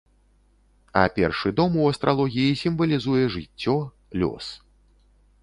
А першы дом у астралогіі сімвалізуе жыццё, лёс.